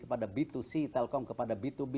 kepada b dua c telkom kepada b dua b